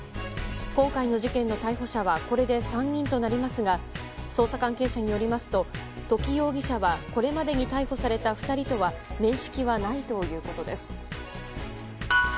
今回の事件の逮捕者はこれで３人となりますが捜査関係者によりますと土岐容疑者はこれまでに逮捕された２人とは面識はないということです。